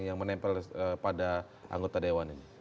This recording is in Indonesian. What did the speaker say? yang menempel pada anggota dewan ini